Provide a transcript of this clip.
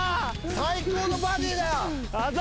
最高のバディだよ！